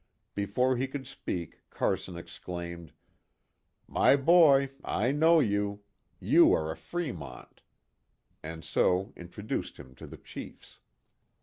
Before he could speak Carson exclaimed " My boy, I know you ! You are a Fremont," and so introduced him to the chiefs.